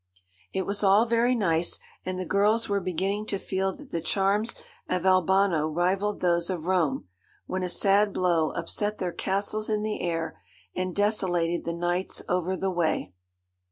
It was all very nice; and the girls were beginning to feel that the charms of Albano rivalled those of Rome, when a sad blow upset their castles in the air, and desolated the knights over the way.